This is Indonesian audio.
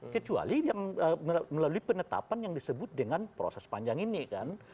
kecuali yang melalui penetapan yang disebut dengan proses panjang ini kan